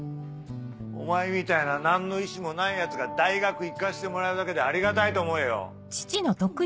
お前みたいな何の意思もないヤツが大学行かせてもらえるだけでありがたいと思えよ！